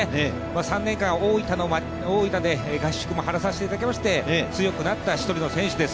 ３年間大分で合宿もさせていただいて強くなった１人の選手です。